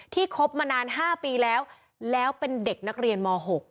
คบมานาน๕ปีแล้วแล้วเป็นเด็กนักเรียนม๖